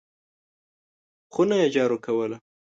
خونه یې جارو کوله !